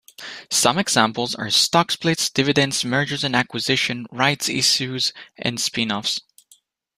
Some examples are stock splits, dividends, mergers and acquisitions, rights issues and spin offs.